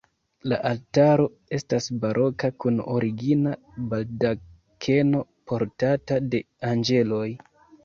La altaro estas baroka kun origina baldakeno portata de anĝeloj.